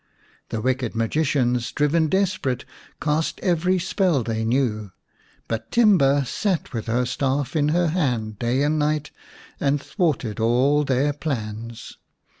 The wicked magicians, driven desperate, cast every spell they knew, but Timba sat with her staff in her hand day and night and thwarted all their plans.